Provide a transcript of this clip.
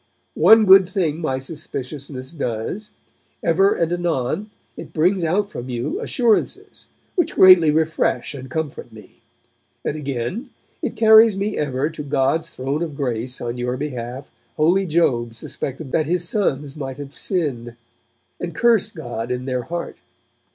One good thing my suspiciousness does: ever and anon it brings out from you assurances, which greatly refresh and comfort me. And again, it carries me ever to God's Throne of Grace on your behalf Holy Job suspected that his sons might have sinned, and cursed God in their heart.